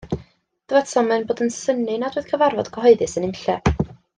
Dywedasom ein bod yn synnu nad oedd cyfarfod cyhoeddus yn unlle.